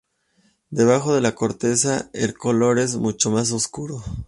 Debajo de la corteza el color es mucho más oscuro.